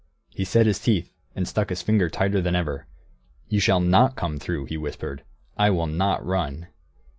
He set his teeth, and stuck his finger tighter than ever. "You shall not come through!" he whispered, "I will not run!"